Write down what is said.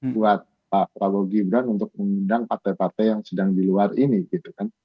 buat pak prabowo gibran untuk mengundang partai partai yang sedang di luar ini gitu kan